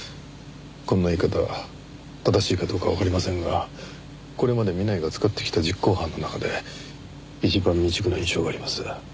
こんな言い方正しいかどうかわかりませんがこれまで南井が使ってきた実行犯の中で一番未熟な印象があります。